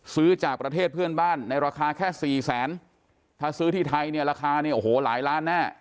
ซื้อจากประเทศเพื่อนบ้านในราคาแค่สี่แสนถ้าซื้อที่ไทยเนี่ยราคาเนี่ยโอ้โหหลายล้านแน่